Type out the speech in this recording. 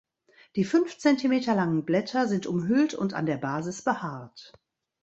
Die fünf Zentimeter langen Blätter sind umhüllt und an der Basis behaart.